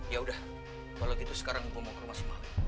ya udah kalau gitu sekarang gue mau ke rumah semalam